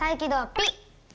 ピッ！